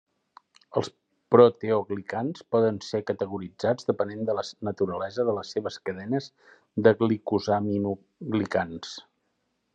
Els proteoglicans poden ser categoritzats depenent de la naturalesa de les seves cadenes de glicosaminoglicans.